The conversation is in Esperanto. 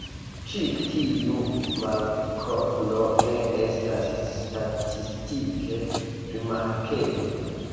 Ĉi tiu malkovro ne estas statistike rimarkebla.